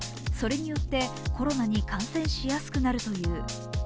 それによって、コロナに感染しやすくなるという。